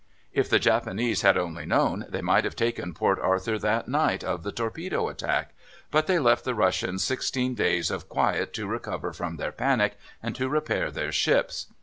If the Japanese had only known they might have taken Port Arthur that night of the torpedo attack; but they left the Russians sixteen days of quiet to recover from their panic and to repair their ships.